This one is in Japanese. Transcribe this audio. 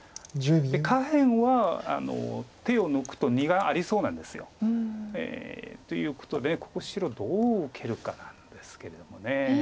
下辺は手を抜くと２眼ありそうなんです。ということでここ白どう受けるかなんですけれども。